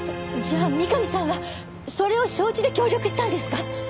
じゃあ三上さんはそれを承知で協力したんですか？